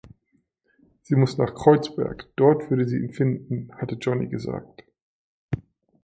Sie muss nach Kreuzberg, dort würde sie ihn finden, hatte Johnnie gesagt.